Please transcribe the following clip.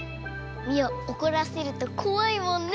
ミオおこらせるとこわいもんね。